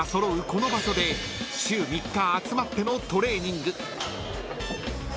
この場所で週３日集まってのトレーニング］